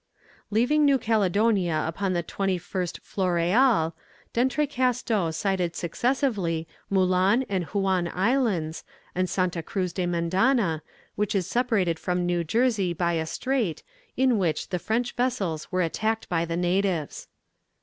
Leaving New Caledonia upon the 21st Floréal, D'Entrecasteaux sighted successively Moulin and Huon Islands, and Santa Cruz de Mendana, which is separated from New Jersey by a strait, in which the French vessels were attacked by the natives.